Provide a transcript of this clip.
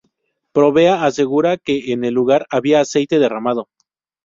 Provea asegura que en el lugar había aceite derramado.